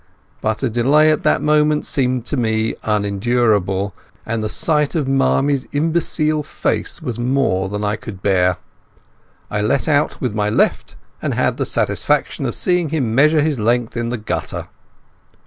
But a delay at that moment seemed to me unendurable, and the sight of Marmie's imbecile face was more than I could bear. I let out with my left, and had the satisfaction of seeing him measure his length in the gutter.